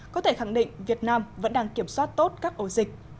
có thể khẳng định việt nam vẫn đang kiểm soát tốt các ổ dịch